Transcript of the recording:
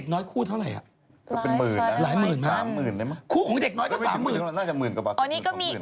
อ๋อมายูเขาก็ใส่นะ